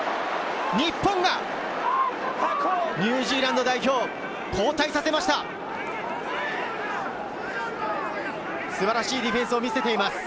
日本がニュージーランド代表を後退させました。